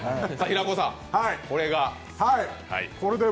平子さん、これが。